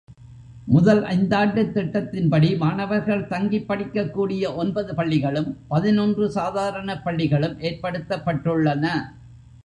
முதல் ஐந்தாண்டுத் திட்டத்தின்படி மாணவர்கள் தங்கிப் படிக்கக் கூடிய ஒன்பது பள்ளிகளும், பதினொன்று சாதாரணப் பள்ளிகளும் ஏற்படுத்தப்பட்டுள்ளன.